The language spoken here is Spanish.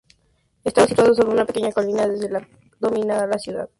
Estaba situado sobre una pequeña colina desde la que dominaba la ciudad.